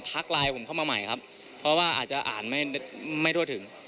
ไลน์ผมเข้ามาใหม่ครับเพราะว่าอาจจะอ่านไม่ทั่วถึง